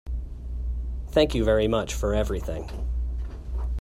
Thank you very much for everything.